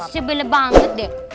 sebener banget deh